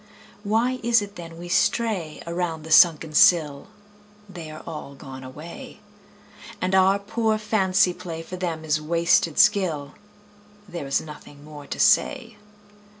Why is it then we stray Around the sunken sill? They are all gone away. And our poor fancy play For them is wasted skill: There is nothing more to say.